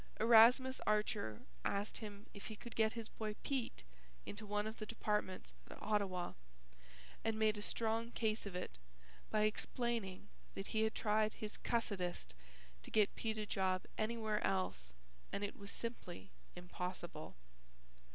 Erasmus Archer asked him if he could get his boy Pete into one of the departments at Ottawa, and made a strong case of it by explaining that he had tried his cussedest to get Pete a job anywhere else and it was simply impossible.